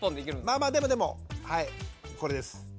まあまあでもでもはいこれです。